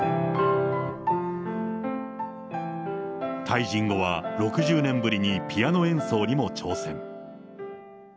退陣後は６０年ぶりにピアノ演奏にも挑戦。